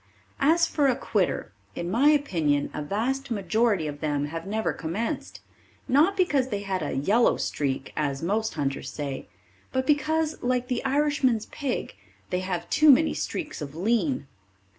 As for a quitter, in my opinion a vast majority of them have never commenced, not because they had a "yellow streak," as most hunters say, but because like the Irishman's pig, they have too many streaks of lean.